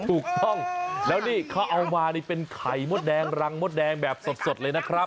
ถูกต้องแล้วนี่เขาเอามานี่เป็นไข่มดแดงรังมดแดงแบบสดเลยนะครับ